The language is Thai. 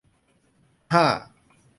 ฮ่า !